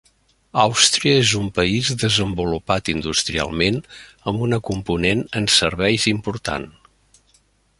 Àustria és un país desenvolupat industrialment amb una component en serveis important.